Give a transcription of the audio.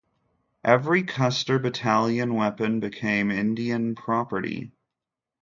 Every Custer battalion weapon became Indian property.